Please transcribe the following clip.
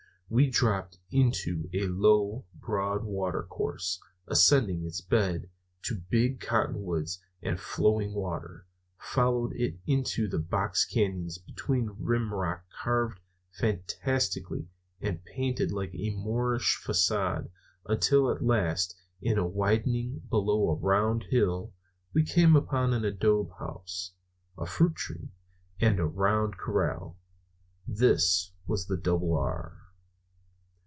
We dropped into a low, broad watercourse, ascended its bed to big cottonwoods and flowing water, followed it into box cañons between rim rock carved fantastically and painted like a Moorish façade, until at last in a widening below a rounded hill, we came upon an adobe house, a fruit tree, and a round corral. This was the Double R.